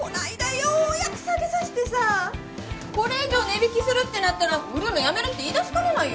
ようやく下げさしてさこれ以上値引きするってなったら「売るのやめる」って言い出しかねないよ